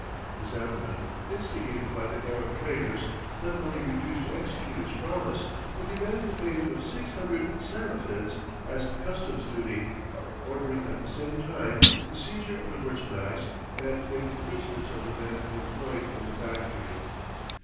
The Zamorin, instigated by the Arab traders, not only refused to execute his promise, but demanded the payment of 600 seraphins as customs' duty, ordering at the same time the seizure of the merchandise, and making prisoners of the men employed in the factory.